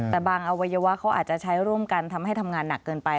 แต่บางอวัยวะเขาอาจจะใช้ร่วมกันทำให้ทำงานหนักเกินไป